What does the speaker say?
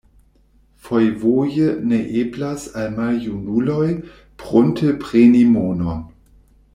Fojfoje ne eblas al maljunuloj prunte preni monon.